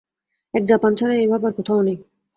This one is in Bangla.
এক জাপান ছাড়া এ ভাব আর কোথাও নাই।